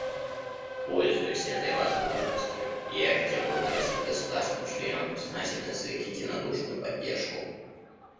Пользуясь этой возможностью, я хотел бы выразить государствам-членам признательность за их единодушную поддержку.